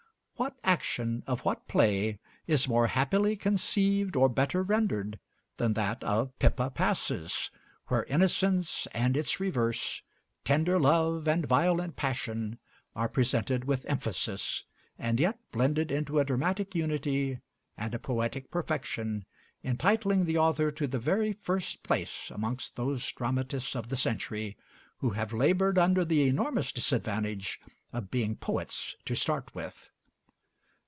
What action of what play is more happily conceived or better rendered than that of 'Pippa Passes'? where innocence and its reverse, tender love and violent passion, are presented with emphasis, and yet blended into a dramatic unity and a poetic perfection, entitling the author to the very first place amongst those dramatists of the century who have labored under the enormous disadvantage of being poets to start with.